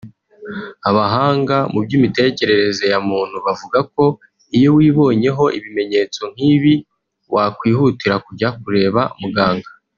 Abahanga mu by’imitekerereze ya muntu bavuga ko iyo wibonyeho ibimenyetso nk’ibi wakwihutira kujya kureba muganga